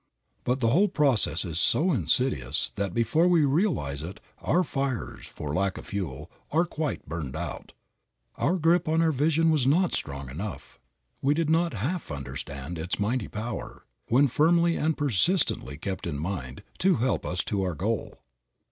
But the whole process is so insidious that before we realize it our fires, for lack of fuel, are quite burned out. Our grip on our vision was not strong enough. We did not half understand its mighty power, when firmly and persistently kept in mind, to help us to our goal.